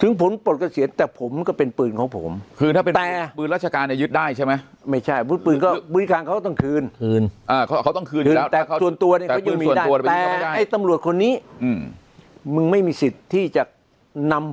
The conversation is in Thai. ถึงผมปลดเงาเสีย